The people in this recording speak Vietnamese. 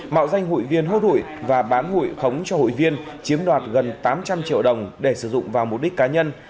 mạo danh hội viên hốt hội và bán hội khống cho hội viên chiếm đoạt gần tám trăm linh triệu đồng để sử dụng vào mục đích cá nhân